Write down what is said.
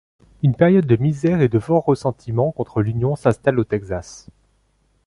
Une période de misère et de fort ressentiment contre l'Union s'installe au Texas.